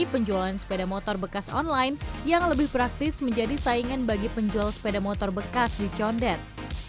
penjualan sepeda motor bekas online yang lebih praktis menjadi saingan bagi penjual sepeda motor bekas di condet